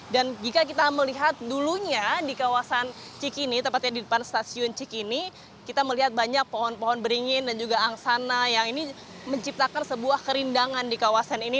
dan jika kita melihat dulunya di kawasan cikini tepatnya di depan stasiun cikini kita melihat banyak pohon pohon beringin dan juga angsana yang ini menciptakan sebuah kerindangan di kawasan ini